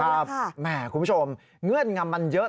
แหมคุณผู้ชมเงื่อนงำมันเยอะ